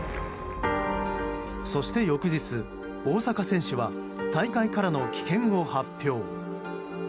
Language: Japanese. そして翌日、大坂選手は大会からの棄権を発表。